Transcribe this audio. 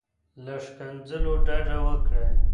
له ښکنځلو ډډه وکړئ.